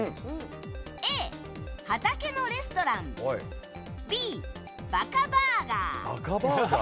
Ａ、畑のレストランＢ、バカバーガー。